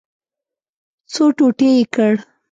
څو ټوټې یې کړ.